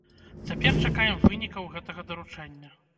Цяпер чакаем вынікаў гэтага даручэння.